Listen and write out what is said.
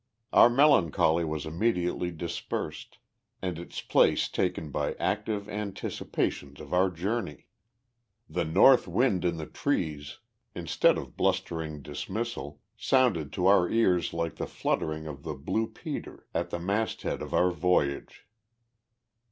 Our melancholy was immediately dispersed, and its place taken by active anticipations of our journey. The North wind in the trees, instead of blustering dismissal, sounded to our ears like the fluttering of the blue peter at the masthead of our voyage.